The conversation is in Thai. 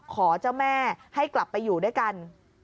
ขอเจ้าแม่ให้กลับไปอยู่ด้วยกัน